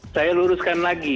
saya luruskan lagi